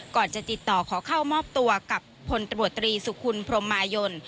ก่อนจะติดต่อขอเข้ามอบตัวกับพลตรวจตรีสุคุณพรมมายน